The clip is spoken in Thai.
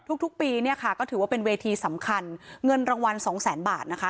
ทุกปีเนี่ยค่ะก็ถือว่าเป็นเวทีสำคัญเงินรางวัลสองแสนบาทนะคะ